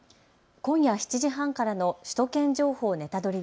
今夜７時半からの首都圏情報ネタドリ！